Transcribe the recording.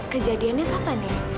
kejadiannya kapan ya